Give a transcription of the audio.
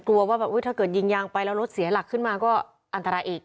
กลัวว่าแบบถ้าเกิดยิงยางไปแล้วรถเสียหลักขึ้นมาก็อันตรายอีก